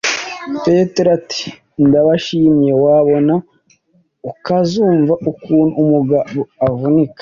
petero ati ndabishimye, wabona ukazumva ukuntu umugabo avunika